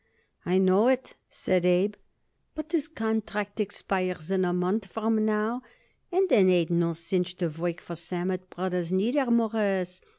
"I know it," said Abe, "but his contract expires in a month from now, and it ain't no cinch to work for Sammet Brothers, neither, Mawruss.